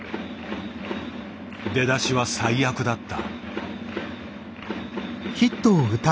出だしは最悪だった。